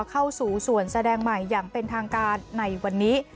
เข้าสู่ส่วนแสดงใหม่อย่างเป็นทางการในวันนี้